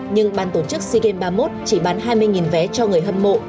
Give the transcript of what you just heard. nhưng ban tổ chức sea games ba mươi một chỉ bán hai mươi vé cho người hâm mộ